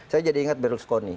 saya jadi ingat berlusconi